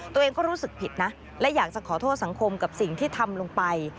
ตัวเองก็รู้สึกผิดนะและอยากจะขอโทษสังคมกับสิ่งที่ทำลงไป